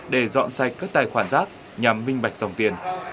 để dọn sạch các tài khoản rác nhằm minh bạch dòng tiền